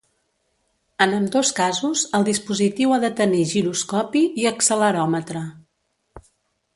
En ambdós casos el dispositiu ha de tenir giroscopi i acceleròmetre.